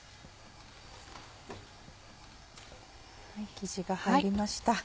生地が入りました。